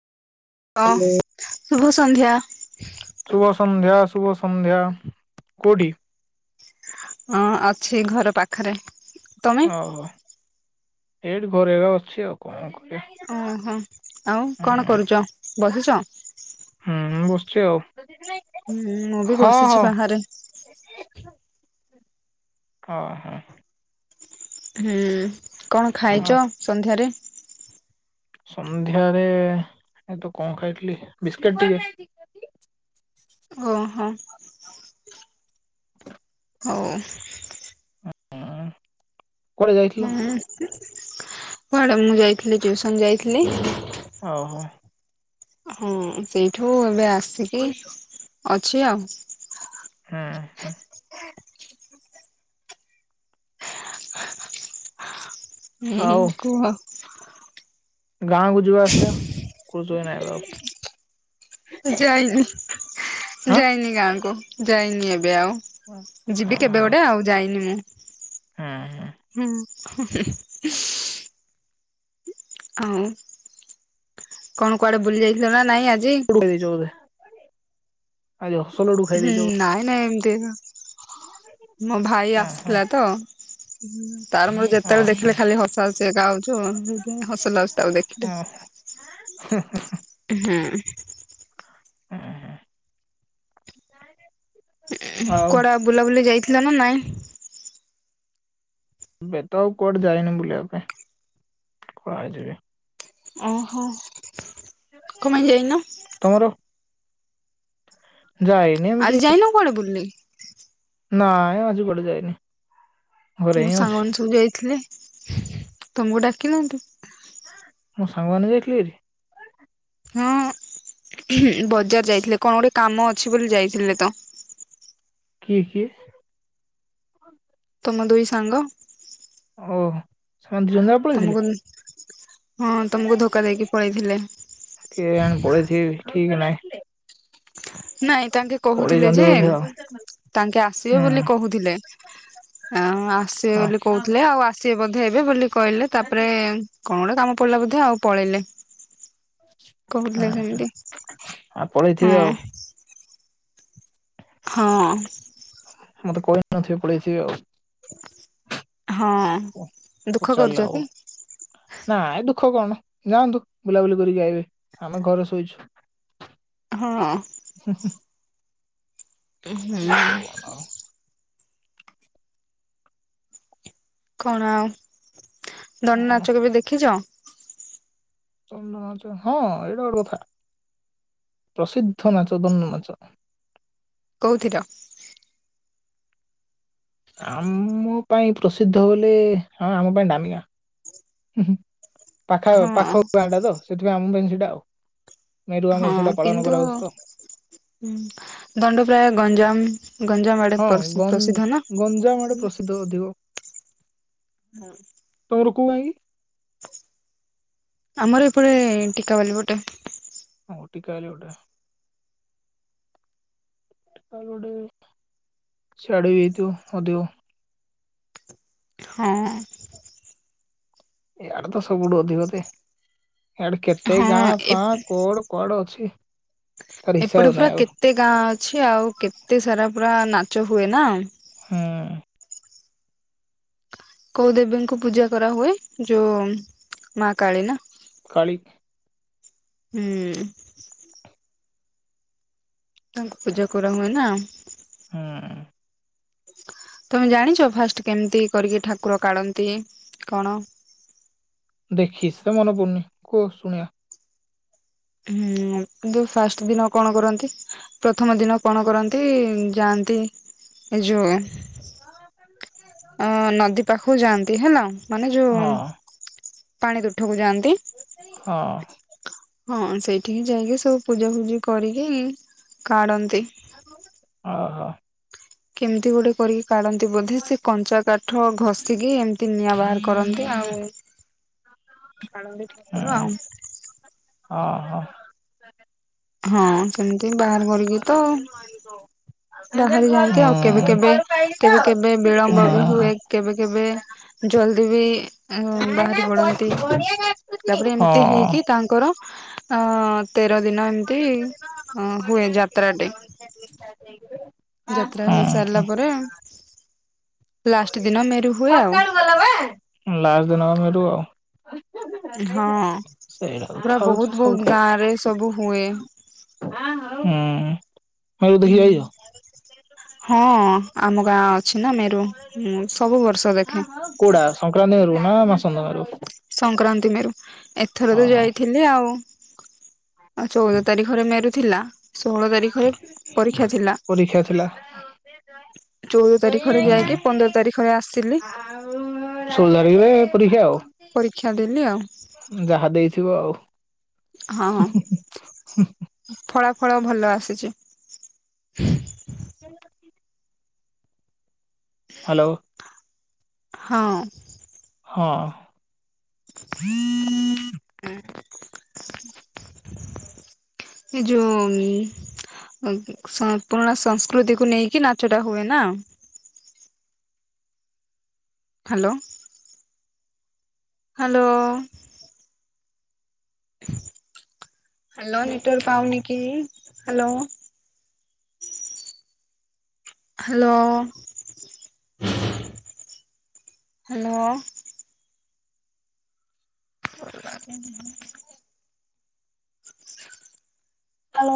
ହ ହ୍ୟାଲୋ ଶୁଭ ସନ୍ଧ୍ୟା। ଶୁଭ ସନ୍ଧ୍ୟା ଶୁଭ ସନ୍ଧ୍ୟା କୋଉଠି? ହଁ ଅଛି ଘର ପାଖରେ। ତମେ? ଅହୋ ଏଇଠି ଘରେ ଅଛି ଆଉ। କଣ କରିବା। ଓହୋ ଆଉ କଣ କରୁଛ? ବସିଚ। ହୁଁ ବସିଚି ଆଉ। ହୁଁ ମୁଁ ବି ହଁ ବସିଛି ହଁ ବାହାରେ। ଅ ହଁ। ହୁଁ କଣ ହଁ ଖାଇଚ ସନ୍ଧ୍ୟାରେ? ସନ୍ଧ୍ୟାରେ ଏ ତ କଣ ଖାଇଥିଲି ବିସ୍କିଟ ଟିକେ ହଁ ହଉ। କୁଆଡେ ଯାଇଥିଲ ହୁଁ ପରେ ମୁଁ ଯାଇଥିଲି ଟ୍ୟୁସନ ଯାଇଥିଲି। ଅହୋ। ହଁ ସେଇଠୁ ଏବେ ଆସିକି ଅଛି ଆଉ। ହୁଁ ହୁଁ। ଉଁ ହୁଁ ହୁଁ କୁହ। ଗାଁକୁୁ ଯିବା ଆସିବା କୋହୁଛକି ନାଇଁ ବା ଯାଏଲିନି ଯାଇନି ଗାଁକୁ ଯାଇନି ଏବେ ଆଉ। ପ ଯିବି କେବେ ଗୋଟେ ଆଉ ଯାଇନି ମୁଁ। ଆଁ! ହୁଁ ହୁଁ ହି ହି! ଆଉଁ କଣ କୁଆଡେ ବୁଲି ଯାଇଥିଲନା ନାଇଁ ଆଜି! ବେଲି ଚଉଦି! ହୁଁ ବୋଧେ ନାଇଁ ନାଇଁ ଏମିତି ମୋ ଭାଇ ଓହୋ ଆସିଥିଲାତ! ଉଁ ଉଁ! ତାର ମୋର ଯେତେବେଳେ ଓହୋ ଦେଖିଲେ ଖାଲି ହସା ହସି ଏକା ହଉଚୁ, ହସ ଲାଗୁଚି ତାକୁ ଦେଖିଲେ! ହୁଁ ହୁଁ! ହୁଁ! ଆହାଁ ଫାଇନାଲି ଉଁ କୁଆଡ଼ା ଆଉ ବୁଲାବୁଲି ଯାଇଥିଲନା ନାଇଁ! ବେତ ଆଉ କୁଆଡେ ଯାଇନି ବୁଲିବା ପାଇଁ, କୁଆଡେ ଯିବି! ଅହ! ତମର ଯାଏ! ଆଜି ଯାଇନୁ କୁଆଡ଼େ ବୁଲି! ନାଇଁ ଆଜି କଆଡେ ଯାଇନି! ଘରେ ତମ ହିଁ ଅଛି ସାଙ୍ଗମାନେ ସବୁ ଯାଇଥିଲେ ତମକୁ ଡାକି ନାହାନ୍ତି! ମୋ ସାଙ୍ଗମାନେ ଯାଇଥିଲେ ଭାରି! ହଁଅଁ ବଜାର ଯାଇଥିଲେ କଣ ଗୋଟେ କାମ ଅଛି ବୋଲି ଯାଇଥିଲେତ! କିଏ କିଏ! ତମ ଦୁଇ ସାଙ୍ଗ! ଔ ସଞ୍ଜୁଲଭ ତମକୁ ମୁଁ ହଁ ତମକୁ ଧୋକା ଦେଇକି ପଳେଇଥିଲେ! କିଏ ଜାଣେ ପଳେଇଥିବେ ଵି ଠିକ ନାହିଁ! ନାଇଁ ତାଙ୍କେ ପଳେଇଛନ୍ତି କହୁଥିଲେଯେ ବୋଧେ ଆଉ ହୁଁ ତାଙ୍କେ ଆସିବେ ବୋଲି କହୁଥିଲେ! ଆ ଆସିବେ ହୁଁ ବୋଲି କଉଥିଲେ, ଆଉ ଆସିବେ ବୋଧେ ଏବେ ବୋଲି କଇଲେ! ତାପରେ କଣ ଗୋଟେ କାମ ପଡିଲା ବୋଧେ ଆଉ ପଳେଇଲେ! ହ [unintelligible] କହୁଥିଲେ ସେମିତି ପଳେଇଥିବେ ଆଉ ହୁଁ! ହଅଁ! ମତେ କହି ନଥିବେ ପଳେଇ ଥିବେ ଆଉ! ହଁଅଁ! ଉଁ ହଉ ଚାଲ ଆଉ! ନାଇଁ ଦୁଃଖ କଣ ଯାଆନ୍ତୁ ବୁଲାବୁଲି କରିକି ଆଇବେ, ଆମେ ଘରେ ଶୋଇଚୁ! [unintelligible] ହଁଅ! ହୁଁ ହୁଁ! ମୁ କୋଉଆ ମାଉଁ! କଣ ଆଉଁ ଦନ କଣ ନାଚ କେଭେ ଦେଖିଚ! ଚଣ୍ଡ ନାଚ ହଁ ଏଇଟା ଗୋଟେ କଥା ପ୍ରସିଦ୍ଧ ନାଚ ଦଣ୍ଡ ନାଚଟା! କୋଉଥିଡ଼! ଆମ ପାଇଁ ପ୍ରସିଦ୍ଧ ବୋଲେ ହଁ ଆମ ପାଇଁ ଡାମିଆଁ! ପାଖ ହଁ ପାଖ ଗାଁ ଟା ତ ସେଥିପାଇଁ ଆମ ପାଇଁ ସେଇଟା ଆଉ ମେରୁ ଆମର ସେଇଟା ପାଳନ କରାହଉଛି ତ ହୁଁ ଦଣ୍ଡ ପ୍ରାୟ ଗଞ୍ଜାମ ଗଞ୍ଜାମ ଆଡେ ପ୍ରସିଦ୍ଧ ନା? ଦୁ ଦୁ ହଁ। ତୋର କୋଉ ଆଈ? ଆମର ଏପଟେ ଟିକାବାଲି ପଟେ। ଟିକାବାଲି ପଟେ। ତା ଗୋଟେ ଛାଡି ହେଇଥିବ ଅଧିକ। ହଁ। ଇଆଡେ ତ ସବୁଠୁ ଅଧିକ ତେ ଆଡେ କେତେ ହଁ ଗାଁ ଫାଁ କୋଡ କୁଆଡ ଅଛି ତାର ଏପଟେ ହିସାବ ପୁରା ନାହିଁ ଆଉ କେତେ ଗାଁ ଅଛି ଆଉ କେତେ ସାରା ପୁରା ନାଚ ହୁଏ ନା? ହୁଁ। କୋଉ ଦେବୀଙ୍କୁ ପୂଜା କରାହୁଏ ଯୋଉ ମା କାଳୀ ନା? କାଳି। ଏ ତାଙ୍କୁ ପୂଜା କରା ହୁଏ ନା? ହୁଁ। ତମେ ଜାଣିଛ ଫାଷ୍ଟ କେମିତି କରିକି ଠାକୁର କାଢନ୍ତି କଣ? ଦେଖିସି ମନେ ପଡୁନି କୁହ ଶୁଣିବା? ହୁଁ। କିନ୍ତୁ ଫାଷ୍ଟ ଦିନ କଣ କରନ୍ତି ପ୍ରଥମ ଦିନ କଣ କରନ୍ତି ଯାଆନ୍ତି। ଏ ଯୋଉ [inaudible] ଅ ନଦୀ ପାଖକୁ ଯାଆନ୍ତି ହେଲା ମାନେ ଯୋଉ ହଁ ପାଣି ତୁଠକୁ ଯାଆନ୍ତି। ହଁ। ହଁ ସେଇଠିକି ଯାଇକି ସବୁ ପୂଜା ଫୂଜି କରିକି କାଢନ୍ତି। ଓହୋ। କେମିତି ଗୋଟେ କରି କାଢନ୍ତି ବୋଧେ ସେ କଞ୍ଚା କାଠ ଘଷିକି ଏମିତି ନିଆଁ ବାହାର କରନ୍ତି ଆଉ ହଁ। କାଳନ୍ଦୀ ଠାକୁର ଆଉ ହଁ ହଁ। ହଁ ସେମିତି ବାହାର କରିକି ତ [inaudible] ବାହାରି ଯାଆନ୍ତି ଆଉ କେବେ କେବେ କେବେ କେବେ ହୁଁ ବିଳମ୍ବ ବି ହୁଏ? କେବେ କେବେ ଜଲଦି ବି ବାହାରି ପଡନ୍ତି। ତାପରେ ହଁ ଏମିତି ହେଇକି ତାଙ୍କର ଅ ତେର ଦିନ ଏମିତି ଅ ହୁଏ ଯାତ୍ରାଟେ। [inaudible] ଯାତ୍ରା ହୁଁ ହେଇସାରିଲା ପରେ ଲାଷ୍ଟ ଦିନ ମେରୁ ହୁଏ ଆଉ। ଲାଷ୍ଟ ଦିନ ମେରୁ ଆଉ ହଁ ସେଇଟା କଥା ପୁରା ହଉଛି ବହୁତ ସବୁ ବହୁତ ଗାଁ ରେ ସବୁ ହୁଏ। ହୁଁ ହଉ ଦେଖି ଯାଇଛ। ହଁ ଆମ ଗାଁ ଅଛି ନା ମେରୁ ସବୁ ବର୍ଷ ଦେଖେ। କୋଉଟା ସଂକ୍ରାନ୍ତି ମେରୁନା ମାସନ୍ତ ମେରୁ। ସଂକ୍ରାନ୍ତି ମେରୁ ଏଥରବି ଓହୋ ଯାଇଥିଲି ଆଉ। ଆଉ ଚଉଦ ତାରିଖରେ ମେରୁଥିଲା ଷୋହଳ ତାରିଖରେ ପରୀକ୍ଷା ଥିଲା। ପରୀକ୍ଷା ଥିଲା। ଚଉଦ ତାରିଖରେ ଯାଇକି ପନ୍ଦର ତାରିଖରେ ଆସିଲି। ଷୋହଳ ତାରିଖରେ ପରୀକ୍ଷା ଆଉ। ପରୀକ୍ଷା ଦେଲି ଆଉ। ଯାହା ଦେଇଥିବ ଆଉ। ହଁ ହଁ ଫଳା ଫଳ ଭଲ ଆସିଛି। [unintelligible] ହାଲୋ। ହଁ ଅଁ। ହଁ। ଏ ଯୋଉ। ସ ପୁରୁଣା ସଂସ୍କୃତିକୁୁ ନେଇକି ନାଚଟା ହୁଏନା। Hello hello. ହାଲୋ ନେଟୱାର୍କ ପାଉନିକିି ହାଲୋ। Hello hello. [unintelligible]